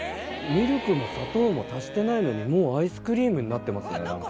ミルクも砂糖も足してないのにもうアイスクリームになってますね。